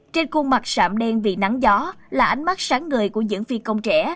trên khuôn mặt sạm đen vì nắng gió là ánh mắt sáng ngời của những phi công trẻ